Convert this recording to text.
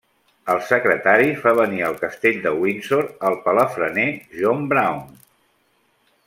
El secretari fa venir al Castell de Windsor el palafrener John Brown.